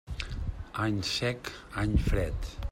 Any sec, any fred.